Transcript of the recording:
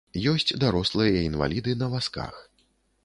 Ёсць дарослыя інваліды на вазках.